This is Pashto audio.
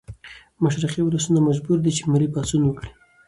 مشرقي ولسونه مجبوري دي چې ملي پاڅون وکړي.